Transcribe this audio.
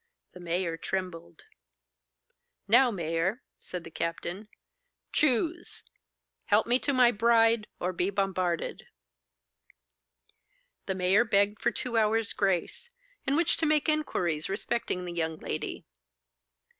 The mayor trembled. 'Now, mayor,' said the captain, 'choose! Help me to my bride, or be bombarded.' The mayor begged for two hours' grace, in which to make inquiries respecting the young lady.